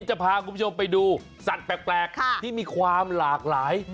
จะพาคุณผู้ชมไปดูสัตว์แปลกที่มีความหลากหลาย